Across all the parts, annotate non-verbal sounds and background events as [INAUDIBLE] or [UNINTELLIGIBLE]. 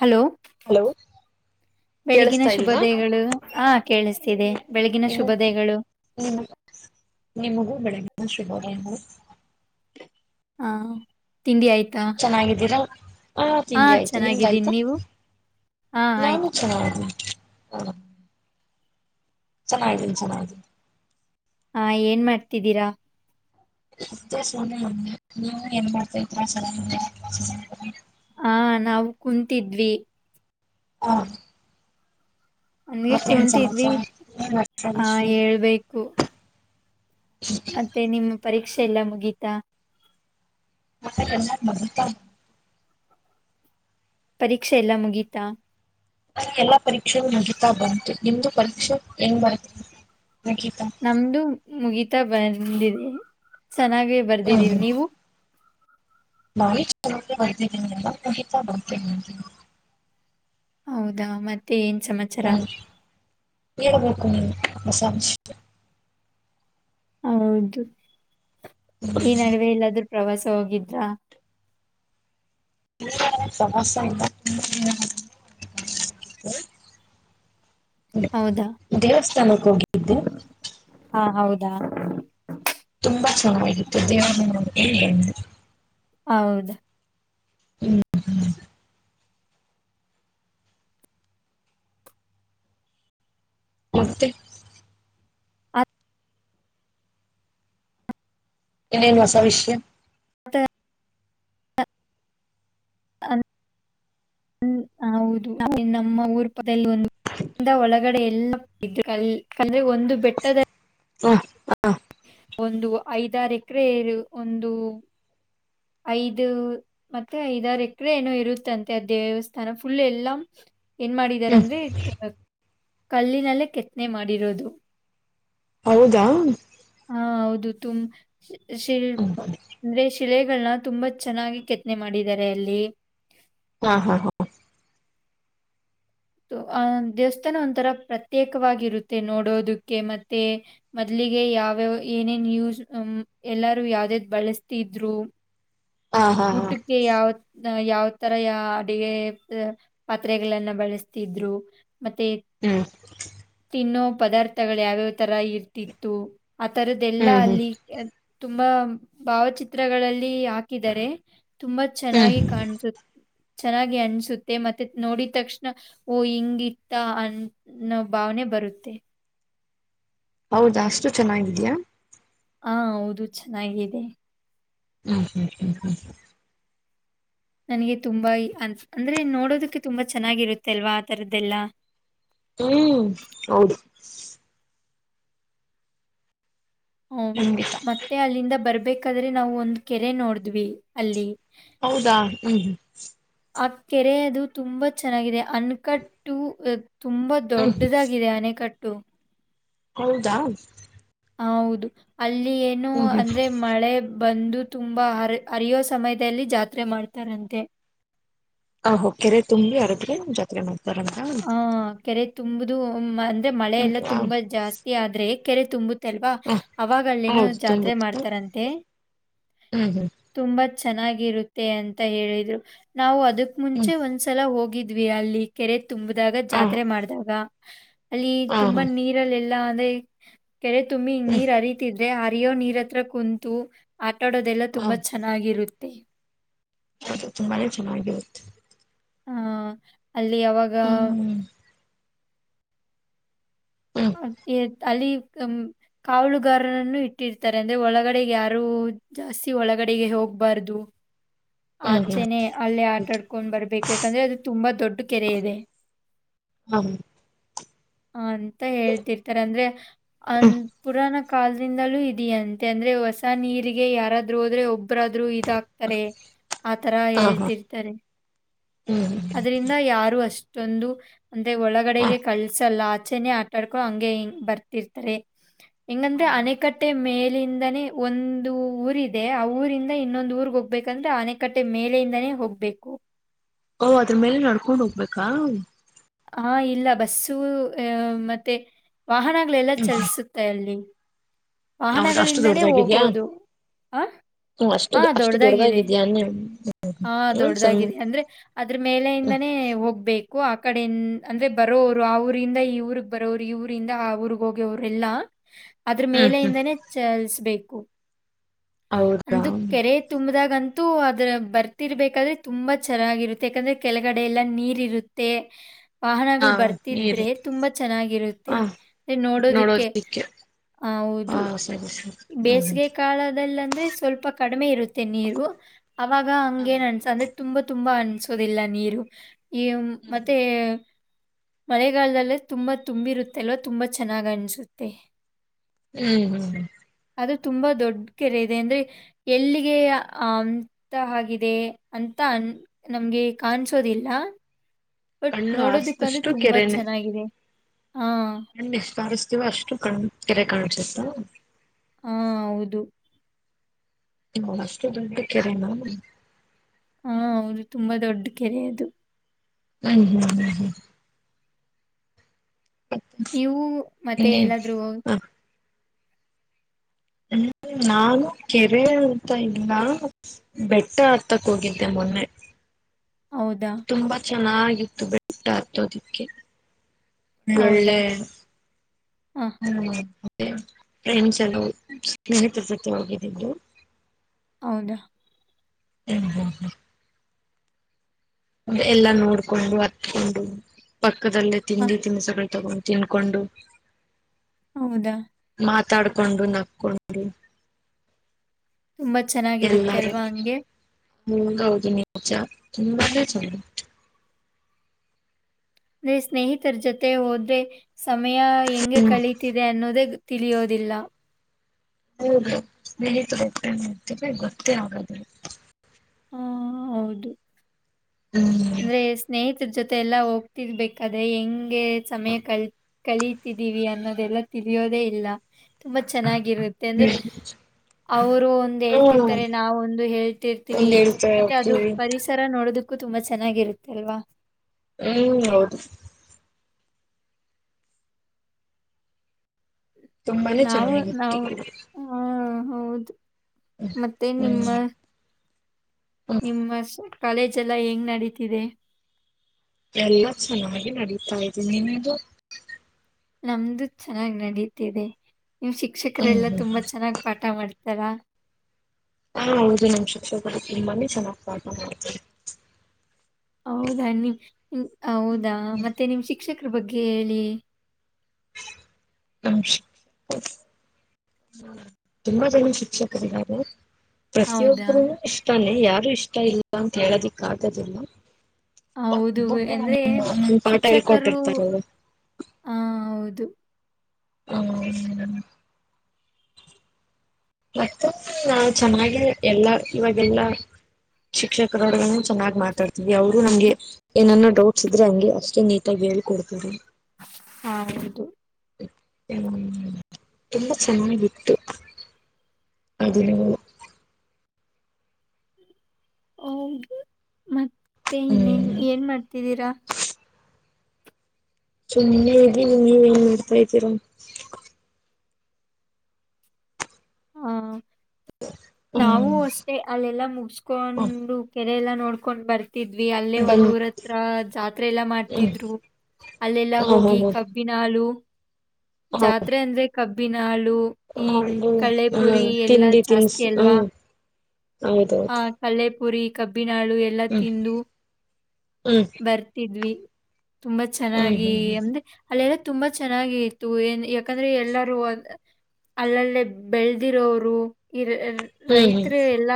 Hello hello ಬೆಳಗಿನ ಕೇಳಿಸ್ತಾ ಇಲ್ವಾ ಶುಭೋದಯಗಳು ಹಾ ಕೇಳಿಸ್ತಿದೆ ಬೆಳಗಿನ ನಿಮಗ್ ಶುಭೋದಯಗಳು ಶುಭರಾಂಗೆ ಹಾ ತಿಂಡಿ ಆಯ್ತಾ ಆ ಹಾ ತಿಂಡಿ ಆಯ್ತು ನಿಮ್ದು ಚೆನ್ನಾಗಿದ್ದೀನಿ ಆಯ್ತಾ ನೀವು ಹಾ ನಾನೂ ಆಯ್ತು ಚೆನ್ನಾಗಿದ್ದೀನಿ ಹ ಚೆನ್ನಾಗಿದ್ದೀನಿ ಚೆನ್ನಾಗಿದ್ದೀನಿ ಹಾ ಏನ್ ಮಾಡ್ತಿದ್ದೀರಾ ಅ ಸ ನೀ [UNINTELLIGIBLE] ಎಂಬತ್ತೈ ಹ ನಾವು ಕುಂತಿದ್ವಿ ಹ ನನ್ಗೆ ಕುಂತಿದ್ವಿ ಏನ್ ಹೊಸ ಆ ವಿಷಯ ಹೇಳ್ಬೇಕು ಮತ್ತೆ ನಿಮ್ಮ ಪರೀಕ್ಷೆ ಎಲ್ಲ ಮುಗೀತಾ ಮಲ್ಲ [UNINTELLIGIBLE] ಪರೀಕ್ಷೆ ಎಲ್ಲ ಮುಗೀತಾ ನಂಗೆ ಎಲ್ಲಾ ಪರೀಕ್ಷೆಗಳೂ ಮುಗಿತಾ ಬಂತು ನಿಮ್ದು ಪರೀಕ್ಷೆ ಹೆಂಗ್ ಬರಿತಿರಿ ಮುಗಿತಾ ನಮ್ದು ಮುಗೀತಾ ಬಂದಿದೆ ಚೆನ್ನಾಗೆ ಬರ್ದಿದೀವಿ ನೀವು? ನಾನ್ನ ಬರ್ ಎಲ್ಲಹಿತ ಬರ್ತೇನೆ [UNINTELLIGIBLE] ಹೌದಾ ಮತ್ತೆ ಸಮಾಚಾರ ಹಾಯ್ [UNINTELLIGIBLE] ಹ [UNINTELLIGIBLE] ಆಸಂ ಹೌದು ಈ ನಡುವೆ ಇಲ್ಲಾದ್ರೂ ಪ್ರವಾಸ ಹೋಗಿದ್ರಾ ಸಮಸ್ಯೆ ಗಳು. ಹೌದಾ ಬತ್ತ್ ದೇವಸ್ಥಾನಕ್ಕೆ ಹೋಗಿದ್ದಿದ್ದೆ ದ ತುಂಬಾ ಚೆನ್ನಾಗಿತ್ತು ದೇವರಮನೆ ಹ್ಮ [UNINTELLIGIBLE] ಹೌದು ಹ್ಮ್ ಮತ್ತೆ ಏನೇನು ಹೊಸ ವಿಷ್ಯ [UNINTELLIGIBLE] ಮ ಹೌದು ನಮ್ಮ ಊರು ಪದಲ್ಲಿ ಒ ಒಳಗಡೆ ಎಲ್ಲೆ ಕಲೇ ಒಂದು ಬೆಟ್ಟದ ಹ ಹಾ ಒಂದು ಐದಾರ ಎಕರೆ ಒಂದು ಐದು ಮತ್ತೆ ಐದಾರ ಎಕರೆ ಏನೋ ಇರುತ್ತಂತೆ ದೇವಸ್ಥಾನ ಫುಲ್ ಎಲ್ಲಾ ಏನ್ ಹ್ಮ್ ಮಾಡಿದಾರಂದ್ರೆ ಕಲ್ಲಿನಲ್ಲೇ ಕೆತ್ನೆ ಮಾಡಿರೋದು. ಹೌದಾ ಹಾ ಹೌದು ತುಮ್ ಸ್ ಶಿಲ್ ಹ್ಮ್ ಅಂದ್ರೆ ಶಿಲೆ ಗಳ್ನ ತುಂಬಾ ಚೆನ್ನಾಗಿ ಕೆತ್ತನೆ ಮಾಡಿದ್ದಾರೆ ಅಲ್ಲಿ. ಆ ಹಾ ಹಾ ಅ ದೇವಸ್ಥಾನ ಒಂಥರ ಪ್ರತ್ಯೇಕವಾಗಿರುತ್ತೆ ನೋಡೋದುಕ್ಕೆ ಮತ್ತೆ ಮೊದ್ಲಿಗೆ ಯಾವ್ಯಾವ ಏನೇನ್ ಯೂಸ್ ಎಲ್ಲಾರೂ ಯಾವ್ದ್ಯದ್ ಬಳಸ್ತಿದ್ರು. ಊಟಕ್ಕೆ ಯಾವ್ ಯಾವ ತರ ಯಾ ಅಡಿಗೆ ಪಾತ್ರೆಗಳನ್ನ ಬಳಸ್ ತಿದ್ರು ಮತ್ತೆ ತಿನ್ನೋ ಪದಾರ್ಥಗಳ್ ಯಾವ್ಯಾವ್ಥರ ಇರ್ತಿತ್ತು. ಆ ತರದದೆಲ್ಲಾ ಅಲ್ಲಿ ಆ ತು ತುಂಬಾ ಭಾವಚಿತ್ರಗಳಲ್ಲಿ ಹಾಕಿದರೆ. ತುಂಬಾ ಹ್ಮ್ ಚೆನ್ನಾಗಿ ಕಾಣ್ಸು ಚೆನ್ನಾಗಿ ಅನ್ಸುತ್ತೆ ಮತ್ತೆ ನೋಡಿದ್ ತಕ್ಷಣ ಓ ಹಿಂಗಿತ್ತ ಅನ್ನೋ ಭಾವನೆ ಬರುತ್ತೆ. ಹೌದ ಅಷ್ಟು ಚೆನ್ನಾಗಿದ್ಯಾ? ಹಾ ಹೌದು ಚೆನ್ನಾಗಿದೆ. ಹಾ ಹ್ಮ ಹ್ಮ್ ಹ್ಮ ನನಗೆ ತುಂಬಾ ಇ ಅ ಅಂದ್ರೆ ನೋಡೋದಕ್ಕೆ ತುಂಬಾ ಚೆನ್ನಾಗಿರುತ್ತೆ ಅಲ್ವಾ ಆ ತರದ್ದೆಲ್ಲಾ ಹ್ಮ್ ಹೌದು ಹ್ಮ ಖಂಡಿತ ಮತ್ತೆ ಅಲ್ಲಿಂದ ಬರ್ಬೇಕ್ ಕಾದ್ರೆ ನಾವು ಒಂದ್ ಕೆರೆ ನೋಡಿದ್ವಿ ಅಲ್ಲಿ. ಹೌದಾ ಹ್ಮ್ ಹ್ಮ್ ಆ ಕೆರೆ ಅದು ತುಂಬಾ ಚೆನ್ನಾಗಿದೆ ಅನ್ಕಟ್ಟು ಅ ತುಂಬಾ ಹ್ಮ್ ದೊಡ್ಡದಾಗಿದೆ ಅನೆಕಟ್ ಟ್ಟು ಹೌದಾ ಹ ಹೌದು ಅಲ್ಲಿ ಏನು ಹ್ಮ್ ಹ್ಮ್ ಅಂದ್ರೆ ಮಳೆ ಬಂದು ತುಂಬಾ ಹರ ಹರಿಯೋ ಸಮಯದಲ್ಲಿ ಜಾತ್ರೆ ಮಾಡ್ತಾರಂತೆ. ಆ ಹೊ ಕೆರೆ ತುಂಬ್ಲಿ ಅದಕ್ಕೆ ಜತ್ರೆ ಮಾಡ್ ಬರಂತ. ತುಂಬ್ದು ಓ ಮನ್ ಅದೆ ಮಳೆ ಎಲ್ಲ ತುಂಬಾ ಜಾಸ್ತಿ ಆದ್ರೆ ಕೆರೆ ತುಂಬುತ್ ಲ್ವಾ ಅವಾಗಳ್ಳಿನ ಹೌದು ಜಾತ್ರೆ ಮಾಡ್ತಾರಂತೆ ಹಾ ಹ ತುಂಬಾ ಚೆನ್ನಾಗಿರುತ್ತೆ ಅಂತ ಹೇಳಿದ್ರು ನಾವು ಅದು ಅದಕ್ ಹ್ಮ್ ಮುಂಚೆ ಒಂದ್ಸಲ ಹೋಗಿದ್ದ ದ್ವಿವ್ಯಲ್ಲಿ ಕೆರೆಟ್ ತುಂಬಿದಾಗ ಹ ಜಾತ್ರೆ ಮಾಡಿದಾಗ ಅಲ್ಲಿ ಹ ಹ ತುಂಬಾ ನೀರಲ್ಲಿ ಲಾದೆ ಕೆರೆ ತುಮಿ ಹ್ಮ್ ನೀರ್ ಅರಿತದ್ ಹರಿಯೋ ನೀರ್ ಹತ್ರ ಕುಂತು ಆಟ ಆಡೋದೆಲ್ಲ ತುಂಬಾ ಚೆನ್ನಾಗಿರುತ್ತೆ ತ್ತ ಹೌದು ತುಂಬಾನೇ ಚೆನ್ನಾಗಿರುತ್ತೆ ಹಾ ಅಲ್ಲಿ ಯಾವಾಗ ಹ್ಮ್ ಹ್ಮ್ ಹ್ಮ್ ಅ- ಅಲ್ಲಿ ಕಾವಲುಗಾರರನ್ನು ಇಟ್ಟಿರ್ತಾರೆ ಅಂದ್ರೆ ಒಳಗಡೆಗೆ ಯಾರು ಜಾಸ್ತಿ ಒಳಗಡೆಗೆ ಹೋಗ್ಬಾರ್ದು ಹ್ಮ್ ಆಚೆನೆ ಅಲ್ಲೇ ಆಟಾಡ್ಕೊಂಡ್ ಬರರ್ಬೇಕು ಯಾಕಂದ್ರೆ ಅದು ತುಂಬಾ ದೊಡ್ಡ ಕೆರೆ ಇದೆ ಹ್ಮ್ ಹಾ ರಿ ಅಂತ ಹೇಳ್ತಿರ್ತಾರೆ ಅಂದ್ರೆ ಅ ಪುರಾಣ ಕಲ್ದಿಂದಲೂ ಇದ ಅಂತೆ ಅಂದ್ರೆ ಹೊಸ ನೀರಿಗೆ ಯಾರಾದ್ರು ಹೋದ್ರೆ ಒಬ್ರಾದ್ರು ಇದ ತಕ್ತಾರೆ ಆತರ ಹ ಹ ಹೇಳ್ತಿರ್ತಾರೆ ಹ್ಮ್ ಅದರಿಂದ ಯಾರು ಅಷ್ಟ ರೆಂದು ಅಂದೆ ಹ ಒಳಗಡೆಗೆ ಕಲ್ಸಲ್ಲ ಚನಿ ಆ ಡ್ಕೊಂಡ ಹಂಗೆ ಹಿಂಗ ಬರ್ತಿರ್ತಾರೆ ಎಂಗಂದೆ ಅಣೆಕಟ್ಟೆ ಮೇಲೆ ಮೇಲಿಂದಾನೇ ಒಂದು ಊರ ಇದೆ ಆ ಊರಿಂದ ಇನ್ನೊಂದು ಊರ್ಗ್ ಹೋಗ್ಬೇಕಂದ್ರೆ ಆನೆಕಟ್ಟೆ ಮೇಲೆಯಿಂದಾನೇ ಹೋಗ್ಬೇಕು ಓಹ ಅದ್ರ ಮೇಲೆ ನಡ್ಕೊಂಡ್ ಹೋಗ್ಬೇಕಾ ಹಾ ಇಲ್ಲ ಬಸ್ಸು ಅ ಮತ್ತೆ ವಾಹನಗಳೆಲ್ಲ ಚಲಿಸುತ್ತೆ ಅಲ್ಲಿ ಹೌದ ಅಷ್ಟು ವಾಹನಗಳಿಂದನೇ ದೊಡ್ಡದಾಗಿದ್ಯಾ ಹೋಗೋದು ಹ ಹ್ಮ್ ಅಷ್ಟು ಹ ಅಷ್ಟು ದೊಡ್ಡದಾಗಿದೆ ದೊಡ್ಡದಾಗಿದ್ಯಾ ಅನ್ನೆ ಹ ಹ್ಮ ಸಣ್ಣ ದೊಡ್ಡದಾಗಿದೆ ಅಂದ್ರೆ ಅದ್ರು ಹ್ಮ್ ಮೇಲೆಯಿಂದಾನೇ ಹೋಗ್ಬೇಕು ಕಕ ಕಡೆ ಅಂದ್ರೆ ಬರೋವರು ಆ ಊರಿಂದ ಈ ಊರಿಗೆಗ್ ಬರೋವರು ಈ ಊರಿಂದ ಆ ಊರ್ಗ್ ಹೋಗ್ಯವರೆಲ್ಲ ಅದ್ರ ಹ್ಮ್ ಹ್ಮ್ ಮೇಲೆಯಿಂದಾನೇ ಚಲಿಸಬೇಕು ಪ್ಪು [UNINTELLIGIBLE] ಹೌದಾ ಅಂದು ಕೆರೆ ತುಂಬದಾಗ ಹಾಗಂತೂ ಅದ್ರ ಬರ್ತಿರ್ಬೇಕಾದ್ರೆ ತುಂಬಾ ಚೆನ್ನಾಗಿರುತ್ತೆ ಯಾಕಂದ್ರೆ ಕೆಳಗಡೆ ಎಲ್ಲ ನೀರ್ ಇರುತ್ತೆ ಹಾ ವಾಹನಗಳು ನೀರು ಬರ್ತಿದ್ರೆ ತುಂಬಾ ಚೆನ್ನಾಗಿರುತ್ತೆ ಹ ಅ ನೋಡೋದಕ್ಕೆ ನೋಡೋದಿಕ್ಕೆ ಹ ಹೌದು ಸರಿ ಸರಿ ಹ್ಮ್ ಬೇಸಿಗೆ ಕಾಲದ ಅಂದ್ರೆ ಸ್ವಲ್ಪ ಕಡಿಮೆ ಇರುತ್ತೆ ನೀರು ಅವಾಗ ಹ್ಮ್ ಹ ಹಂಗಗೆನ್ ಅನ್ಸಂದ ತುಂಬಾ ತುಂಬಾ ಅನಸೋದಿಲ್ಲ ನೀರು ಈ ಹ್ಮ್ ಮತ್ತೆ ಮಳೆಗಾಲದಲ್ಲೇ ತುಂಬಾ ತುಂಬಿರುತ್ತೆಲ್ವ ತುಂಬಾ ಚೆನ್ನಾಗಿ ಅನಿಸುತ್ತೆ ಹ್ಮ್ ಹ್ಮ್ ಅದು ತುಂಬಾ ದೊಡ್ಡ ಕೆರೆ ಇದೆ ಅಂದ್ರೆ ಎಲ್ಲಿಗೆ ಅಂತ ಆಗಿದೆ ಅಂತ ಅನ್ ನಮ್ಗೆ ಕಾಣಸೋದಿಲ್ಲ ಬಟ್ ಕಣ್ಣು ನೋಡೋದಕ್ಕಂದ್ರೆ ತುಂಬಾ ಚೆನ್ನಾಗಿದೆ ಹಾಂ ಖಂಡ ವ ಅಷ್ಟು ಕಣ ಕೆರೆ ಕಾಣಸುತ್ತಾ ಹಾ ಹೌದು ಹಷ್ಟು ದುಡ್ಡು ಕೆರೆ ನ ಹಾ ಹೌದು ತುಂಬಾ ದೊಡ್ಡ ಕೆರೆ ಅದು ಹ್ಮ ಹ್ಮ ಹ್ಮ ಹ್ಮ ನೀವು ಮತ್ತೆ ಇನ್ನೇನ್ ಎಲ್ಲಾದ್ರು ಹ್ಮ ನನು ಕೆರೆ ಅಂತ ಇಲ್ಲ ಬೆಟ್ಟ ಹತಕ್ ಹೋಗಿದ್ದೆ ಮೊನ್ನೆ ಹೌದಾ ತುಂಬಾ ಚ ಚೆನ್ನಾಗಿತ್ತು ಬಿಟ್ಟ ಹತ್ತೋದಿಕ್ಕೆ [UNINTELLIGIBLE] ಹೌದಾ ಳ್ಳೆ ಹಾಂ ಹ್ಮ [UNINTELLIGIBLE] ರಂಡ್ಸಲು ಸ್ನೇಹಿತ ಜೊತೆ ಹೋಗಿದ್ದಿದ್ದು ಹೌದಾ ಹ್ಮ ಹ್ಮ್ ಹಾ ಎಲ್ಲ ನೋಡ್ಕೊಂಡು ಹತ್ಕೊಂಡು ಪ ದಲ್ಲೇ ಆ, ತಿಂಡಿ ತಿಂಡಿ ಸ ತಗೊಂಡು ತಿನ್ಕೊಂಡು ಹೌದಾ ಮಾತಾಡ್ಕೊಂಡು ನಕ್ಕೊಂಡು ತುಂಬಾ ಚೆನ್ನಾಗಿರುತ್ತೆ ಅಲ್ವಾ ಹಂಗೆ ಮುಂಗಾ ಅದು ನಿಜಾ ತುಂಬಾ ಚನ್ ಅಂದ್ರೆ ಸ್ನೇಹಿತರ ಜೊತೆ ಹೋದ್ರೆ ಸಮಯ ಹೆಂಗೆ ಹ್ಮ್ ಕಳೀತಿದೆ ಅನ್ನೋದೇ ತಿಳಿಯೋದಿಲ್ಲ ಹೌದು ಸ್ನೇಹಿತರುತನೆ ಇತವೆ ಗೊತ್ತೇ ಆಗ [INAUDIBLE] ದು್ರ ಹಾ ಹೌದು ಹ್ಮ್ ಅಂದ್ರೆ ಸ್ನೇಹಿತರ ಜೊತೆ ಎಲ್ಲಾ ಹೋಗ್ತಿರ್ಬೇಕಾದ್ರೆ ಹೆಂಗೆ ಸಮಯ ಕಳ ಕಳೀತಿದ್ದೀವಿ ಅನ್ನೋದೆಲ್ಲ ತಿಳಿಯೋದೇ ಇಲ್ಲ ತುಂಬಾ ಚೆನ್ನಾಗಿ ತ್ತ ಅಂದ್ರೆ ಅವರು ಒಂದು ಹ್ಮ್ ಹೇಳ್ತಿರ್ತಾರೆ ನಾವು ಒಂದು ಹೇಳಿರ್ತೀವಿ ಒಂದ್ ಹೇಳ್ತಾ ಮತ್ತೆ ಅದು ಹೋಗ್ತೀವಿ ಪರಿಸರ ನೋಡದ ಕು ತುಂಬಾ ಚನ್ನಾಗಿ ಚೆನ್ನಾಗಿರುತ್ತೆ ಅಲ್ವಾ ಹ್ಮ್ ಹೌದು ತುಂಬಾನೇ ನಾವು ಚೆನ್ನಾಗಿರುತ್ತೆ ನಾವು ಹಾ, ಹೌದು ಮತ್ತೆ ನಿಮ್ಮ ಹ್ಮ್ ನಿಮ್ಮ ಕಾಲೇಜೆಲ್ಲ ಹೆಂಗ್ ನೆಡೀತಿದೆ ಎಲ್ಲ ಚೆನ್ನಾಗಿ ನಡೀತಾ ಇದೇ ನಿಮ್ದು ನಮ್ದು ಚೆನ್ನಾಗ್ ನಡೀತಿದೆ ನಿನ್ ಶಿಕ್ಷಕರೆ ಹ್ಮ್ ಎಲ್ಲ ಹ್ಮ್ ತುಂಬಾ ಹ್ಮ್ ಚೆನ್ನಾಗ್ ಪಾಠ ಮಾಡ್ತಾರೆ ತರಾ ಹಾ ಹೌದು ನಮ್ ಶಿಕ್ಷಕರು ತುಂಬಾನೇ ಚೆನ್ನಾಗ ಪಾಠ ಮಾಡ್ತಾರೆ ಹೌದಾ ನಿ ಹೌದಾ ಮತ್ತೆ ನಿಮ್ ಶಿಕ್ಷಕ ಅವ್ರ ಬಗ್ಗೆ ಹೇಳಿ ಹ ತುಂಬಾ ಜನ ಶಿಕ್ಷಕರಿದ್ದಾರೆ ಹೌದಾ ಪ್ರತಿಯೊಬ್ಬರುೂ ಇಷ್ಟಾನೆ ಯಾ ಇಷ್ಟ ಇಲ್ಲ ಅಂತ ಹೇಳೋದಿಕ್ ಆಗದಿಲ್ಲ ಹೌದು ಎಂದ್ರೆ ಪಾಠ ಶಿಕ್ಷಕರು ಹೇಳ್ಕೊಟ್ಟಿರ್ತಾರಲ್ಲ ಹೌದು ತ್ತು ಹ್ಮ ಮ ನಾ ಚೆನ್ನಾಗೆ ಎಲ್ಲಾ ಇವಾಗೆಲ್ಲಾ ಶಿಕ್ಷರೊಡನೆ ಚೆನ್ನಾಗ್ ಮಾತಾಡ್ತಿದವಿ ಅವರು ನಮ್ಗೆ ಏನನ್ನೋ ಡೌಟ್ಸ್ ಇದ್ರೆ ಹಂಗೆ ಅಷ್ಟೇ ನೀಟಾಗಿ ಹೇಳ್ಕೊಡ್ತರೆ ಹ ಹೌದು ತುಂಬಾ ಚೆನ್ನಾಗಿತ್ತು ಆ ದಿನ ಹೌದು ಮತ್ತ ಮತ್ತೇ ಇನೇನ್ ಹ್ಮ್ ಏನ್ ಮಾಡ್ತಿದ್ದೀರಾ ಸೊ ನಿನ್ನೆ ಇದೀ ನೀ ನೀ ಏನ್ ಮಾಡ್ತಾ ಇದ್ದೀರಾ ಹಾ ನಾವೂ ಹ್ಮ್ ಅಷ್ಟೆ ಅಲ್ಲೆಲ್ಲಾ ಮುಗಸ್ಕೊಂಡು ಕೆ ಅದೆಲ್ಲ ನೋಡ್ಕೊಂಡ್ ಬರ್ತ ಇದ್ವಿ ಅಲ್ಲೇ ಬನ್ ಒಂದ್ ಊರ ಹತ್ರ ಜಾತ್ರೆ ಎಲ್ಲಾ ಹ್ಮ್ ಮಾಡ್ತಿದ್ರು ಅಲ್ಲೆಲ್ಲಾ ಹ ಹೋಗಿ ಹ ಹ ಕಬ್ಬಿನ ಹಾಲು ಹ ಜಾತ್ರೆ ಅಂದ್ರೆ ಕಬ್ಬಿಿನಾಳ ಈ ಒಂದು ಕಳೆ ಹ ಪುರಿ ಎಲ್ಲಾ ತಿಂಡಿ ಜಾಸ್ತಿ ತಿನ್ಸು ಅಲ್ವಾ ಹ್ಮ್ ಹಾ ಹೌದೌದು ಕಲ್ಲೆ ಪೂರಿ ಕಬ್ [UNINTELLIGIBLE] ಬ್ಬಿನಾಳು ಎಲ್ಲಾ ಹ್ಮ್ ತಿಂದು ಹ್ಮ್ ಬರ್ತಿದ್ವಿ ತುಂಬಾ ಹ್ಮ್ ಚೆನ್ನಾಗಿ ಹ್ಮ್ ಅಂದ್ರೆ ಅಲ್ಲೆಲ್ಲ ತುಂಬಾ ಚೆನ್ನಾಗಿ ಇತ್ತು ಏನ್ ಯಾಕಂದ್ರೆ ಎಲ್ಲಾರೂ ಅಲ್ಲಲ್ಲೇ ಬೆಳೆದಿರೋರು ಇ ಹ್ಮ್ ಹ್ಮ್ ರೈತರು ಎಲ್ಲ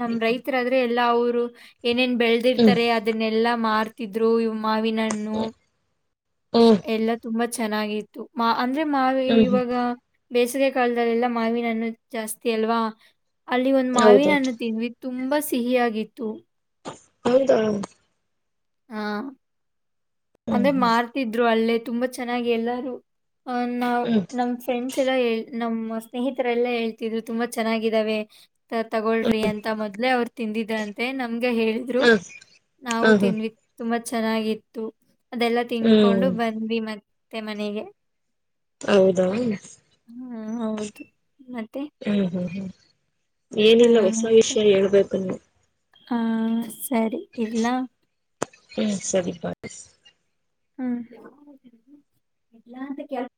ನಮ್ ರೈತರದ ಎಲ್ಲ ಅವರು ಏನೇನ್ ಹ್ಮ್ ಬೆಳೆದಿರ್ತಾರೆ ಅದನ್ನೆಲ್ಲ ಮಾರ್ತಿದ್ರು ಮಾವಿನಣ್ಣು ಹ್ಮ್ ಹ್ಮ್ ಎಲ್ಲಾ ತುಂಬಾ ಚೆನ್ನಾಗಿತ್ತು ಮಾ [UNINTELLIGIBLE] ಅಂದ್ರೆ ಮಾ ಹ್ಮ್ ಹ್ಮ್ ಇವಾಗ ಬೇಸಿಗೆ ಕಾಲದಲ್ಲೆಲ್ಲ ಮಾವಿನನ್ನು ಜಾಸ್ತಿ ಅಲ್ವಾ ಅಲ್ಲಿ ಒಂದು ಮಾವಿನ ಹೌದೌದು ಅನ್ನು ತುಂಬಾ ಸಿಹಿಯಾಗಿತ್ತು ಹೌದಾ ಹ ಹ [UNINTELLIGIBLE] ಹ್ಮ್ ಹ್ಮ್ ಅಂದ್ರೆ ಮಾರ್ತಿದ್ರು ಅಲ್ಲೇ ತುಂಬಾ ಚೆನ್ನಾಗಿ ಎಲ್ಲಾರು [UNINTELLIGIBLE] ಅ ನಾವ್ ಹ್ಮ್ ನಮ್ ಫ್ರೆಂಡ್ಸ್ ಎಲ್ಲ ಹೇಳ ನಮ್ಮ ಸ್ನೇಹಿತರೆಲ್ಲಾ ಹೇಳ್ತಿದ್ರು ತುಂಬಾ ಚೆನ್ನಾಗಿದಾವೆ ತಗೊಳ್ರಿ ಅಂತ ಮೊದ್ಲೆ ಅವ್ರು ತಿಂದಿದ್ರಂತೆ ನ ಹಂಗ ಹೇಳಿದ್ರು ಹ ನಾವು ಹ ಹ ತಿನ್ವಿ ತುಂಬಾ ಚೆನ್ನಾಗಿತ್ತು ಅದೆಲ್ಲ ತಿನ್ಕೊಂಡು ಹ್ಮ್ ಬಂದ್ವಿ ಮತ್ತೆ ಮೆ [UNINTELLIGIBLE] ಮನೆಗೆ ಹೌದಾ ಹಾ ಹೌದು ಮತ್ತೆ? ಹ್ಮ ಹ್ಮ ಹ್ಮ ಆ ಏನಿಲ್ಲ ಹೊಸ ಸ- ವಿಷಯ ಹೇಳ್ಬೇಕ ನೀ ಆ [UNINTELLIGIBLE] ಸರಿ ಇಲ್ಲ ಬಸ್ ಹ್ಮ್ ಎ [UNINTELLIGIBLE]